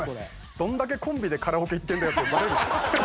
どんだけコンビでカラオケ行ってんだよってバレる。